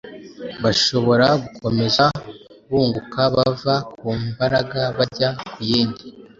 bashobora gukomeza bunguka bava ku mbaraga bajya ku yindi,